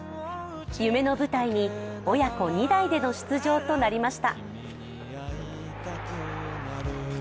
夢の舞台に親子２代での出場となりました。